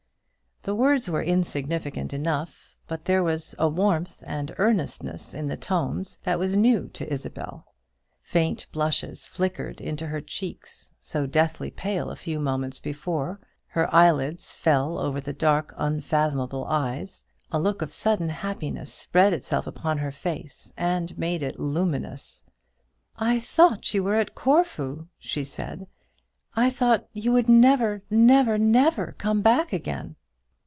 The words were insignificant enough, but there was a warmth and earnestness in the tones that was new to Isabel. Faint blushes flickered into her cheeks, so deathly pale a few moments before; her eyelids fell over the dark unfathomable eyes; a look of sudden happiness spread itself upon her face and made it luminous. "I thought you were at Corfu," she said. "I thought you would never, never, never come back again."